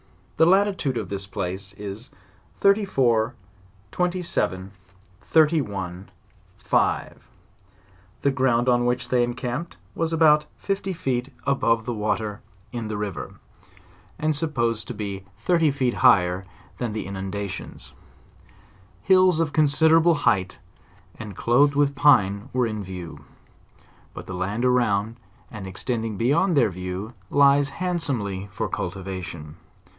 The latitude of this place is 34.27, 3 1,5. The ground on which .they fcncarxjped $*as about fifty feet e&ove the wa 200 JOURNAL 1 OF ter in the river, and supposed to be thirty feet higher than the inundations. Hills of considerable height, and clothed with pine, were in vietv; but the land around, and extending beyond their view, lies handsomely for cultivation.